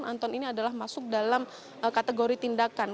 anton ini adalah masuk dalam kategori tindakan